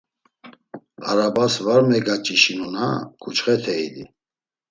Arabas var megaç̌işinuna ǩuçxete idi.